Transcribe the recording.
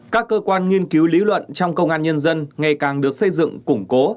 các cơ quan nghiên cứu lý luận trong công an nhân dân ngày càng được xây dựng củng cố